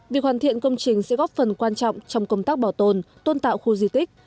việc hoàn thiện công trình sẽ góp phần quan trọng trong công tác bảo tồn tôn tạo khu di tích